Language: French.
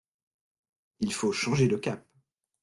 Il faut changer de cap